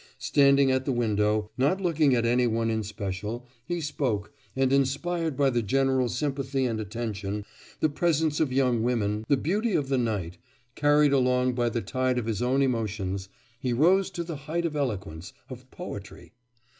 Standing at the window, not looking at any one in special, he spoke, and inspired by the general sympathy and attention, the presence of young women, the beauty of the night, carried along by the tide of his own emotions, he rose to the height of eloquence, of poetry....